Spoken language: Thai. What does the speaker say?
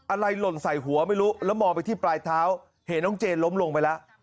หล่นใส่หัวไม่รู้แล้วมองไปที่ปลายเท้าเห็นน้องเจนล้มลงไปแล้ว